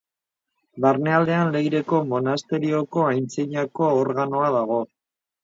Barnealdean Leireko monasterioko antzinako organoa dago.